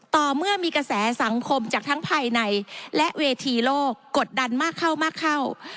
ต่อเมื่อมีกระแสสังคมจากทั้งภายในและเวทีโลกกดดันมากเข้ามากเข้า